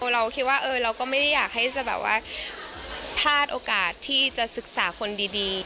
เราคิดว่าเราก็ไม่ได้อยากให้จะแบบว่าพลาดโอกาสที่จะศึกษาคนดี